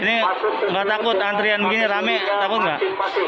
ini enggak takut antrian begini rame takut enggak